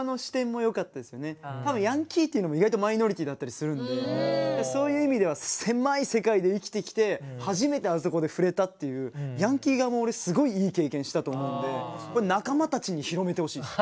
多分ヤンキーっていうのも意外とマイノリティーだったりするんでそういう意味では狭い世界で生きてきて初めてあそこで触れたっていうヤンキー側も俺すごいいい経験したと思うんで仲間たちに広めてほしいんです。